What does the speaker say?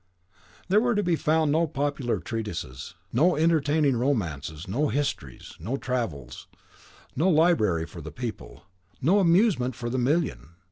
There were to be found no popular treatises, no entertaining romances, no histories, no travels, no "Library for the People," no "Amusement for the Million."